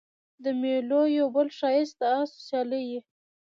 د مېلو یو بل ښایست د آسو سیالي يي.